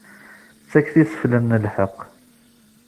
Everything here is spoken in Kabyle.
Ttaket iseflen n lḥeqq.